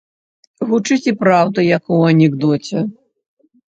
Гучыць і праўда, як у анекдоце.